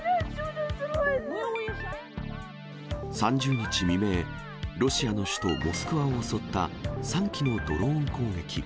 ３０日未明、ロシアの首都モスクワを襲った３機のドローン攻撃。